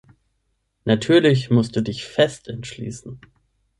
Natürlich musst du dich fest entschließen.